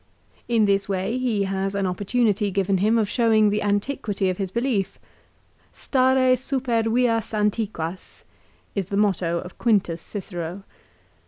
In this way he has an opportunity given him of showing the antiquity of his belief. " Stare super vias antiquas," is the motto of Quintus Cicero.